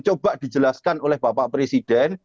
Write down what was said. coba dijelaskan oleh bapak presiden